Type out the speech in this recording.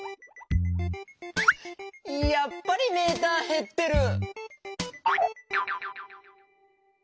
やっぱりメーターへってる！